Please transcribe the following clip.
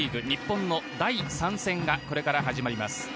日本の第３戦がこれから始まります。